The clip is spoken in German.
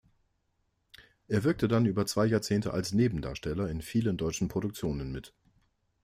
Er wirkte dann über zwei Jahrzehnte als Nebendarsteller in vielen deutschen Produktionen mit.